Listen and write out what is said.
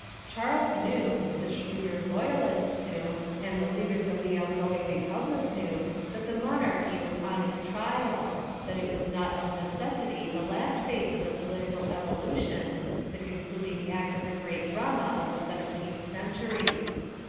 Charles knew, the shrewder royalists knew, and the leaders of the outgoing republic knew that the monarchy was on its trial, that it was not of necessity the last phase of the political evolution, the con cluding act of the great drama of the 17th cen tury.